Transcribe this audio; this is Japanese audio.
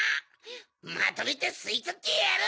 まとめてすいとってやる！